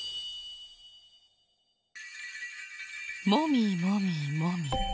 もみもみもみ。